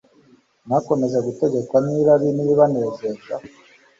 Mwakomeje gutegekwa nirari nibibanezeza